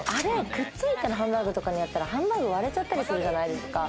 くっついてるハンバーグとかにやったら割れたりするじゃないですか。